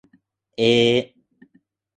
えー